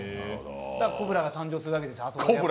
だから、コブラが誕生するわけですよ。